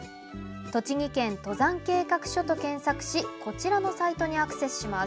「栃木県登山計画書」と検索しこちらのサイトにアクセスします。